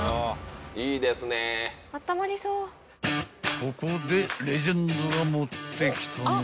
［ここでレジェンドが持ってきたのは］